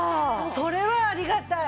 それはありがたい。